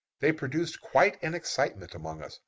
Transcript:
They produced quite an excitement among us.